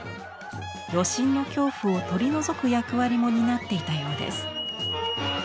余震の恐怖を取り除く役割も担っていたようです。